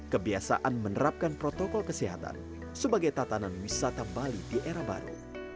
kebiasaan menerapkan protokol kesehatan sebagai tatanan wisata bali di era baru